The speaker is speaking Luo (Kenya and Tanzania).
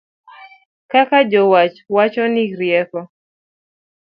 Kaka jowach wacho ni rieko